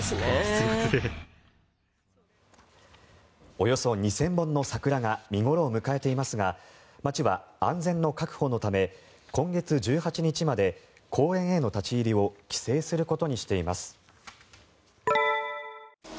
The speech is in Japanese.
およそ２０００本の桜が見頃を迎えていますが町は安全の確保のため今月１８日まで公園への立ち入りを規制することにしています。